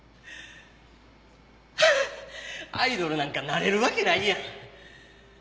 ハハッアイドルなんかなれるわけないやん。